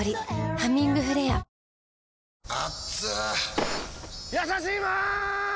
「ハミングフレア」やさしいマーン！！